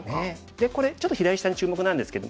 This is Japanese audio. でこれちょっと左下に注目なんですけど。